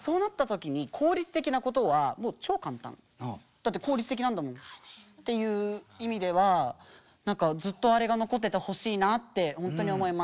「だって効率的なんだもん」っていう意味では何かずっとあれが残っててほしいなってほんとに思います。